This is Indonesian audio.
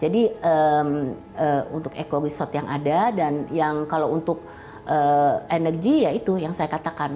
jadi untuk eco resort yang ada dan yang kalau untuk energi ya itu yang saya katakan